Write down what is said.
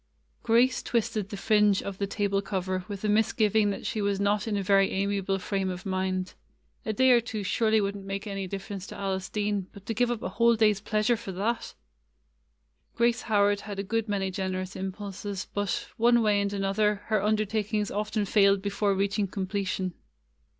Grace twisted the fringe of the table cover 6 — An Easter Lily [ 81 ] AN EASTER LIEY with a misgiving that she was not in a very * amiable frame of mind. A day or two surely would n't make any difference to Alice Dean, but to give up a whole day's pleasure for that ! Grace Howard had a good many generous impulses, but, one way and another, her under takings often failed before reaching comple tion.